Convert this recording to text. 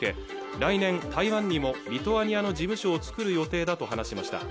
来年台湾にもリトアニアの事務所を作る予定だと話しました